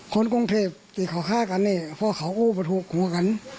คนกรงเทพที่เขาฆ่ากันนี่เพราะเขาอู้ประถูกหัวกัน